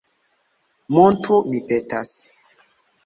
Montru, mi petas.